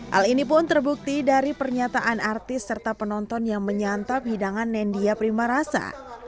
hal ini pun terbukti dari pernyataan artis serta penonton yang menyantap hidangan nendia prima rasa